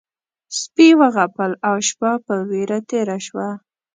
سپي وغپل او شپه په وېره تېره شوه.